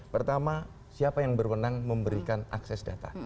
pertama siapa yang berwenang memberikan akses data